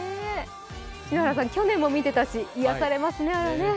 篠原さん、去年も見ていたし癒やされますね。